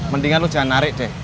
mendingan lu jangan narik deh